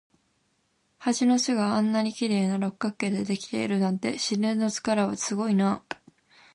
蜂の巣があんなに綺麗な六角形でできているなんて、自然の力はすごいなあ。